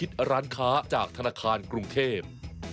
คู่คิดร้านค้าจากธนาคารกรุงเทพฯ